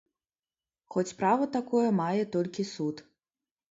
Хоць права такое мае толькі суд.